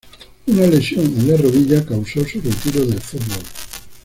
Una lesión en la rodilla causó su retiro del fútbol.